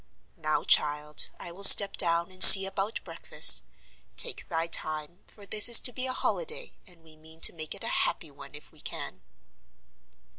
"Now, child, I will step down, and see about breakfast. Take thy time; for this is to be a holiday, and we mean to make it a happy one if we can."